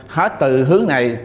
hết từ hướng này